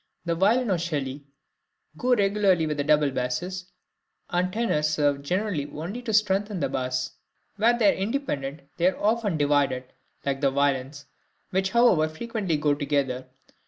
The violon celli go regularly with the double basses, and the tenors serve generally only to strengthen the bass; where they are independent they are often divided, like the violins, which however frequently go together.